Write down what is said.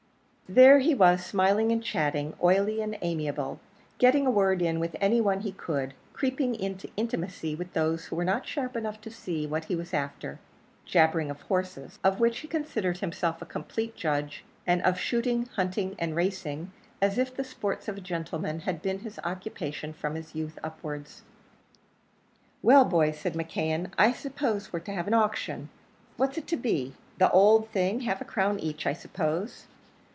There he was, smiling and chatting, oily and amiable; getting a word in with any one he could; creeping into intimacy with those who were not sharp enough to see what he was after; jabbering of horses, of which he considered himself a complete judge, and of shooting, hunting, and racing, as if the sports of a gentleman had been his occupation from his youth upwards. "Well, boys!" said McKeon; "I suppose we're to have an auction. What's it to be? the owld thing half a crown each, I suppose?"